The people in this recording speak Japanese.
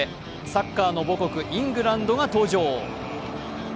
サッカーの母国イングランドが登場。